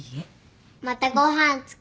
またご飯作って。